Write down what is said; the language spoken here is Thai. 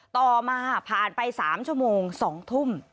ต่อมาผ่านไป๓ชั่วโมง๒ทุ่ม